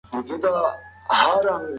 موږ به خپل هدف ته رسېدلي يو.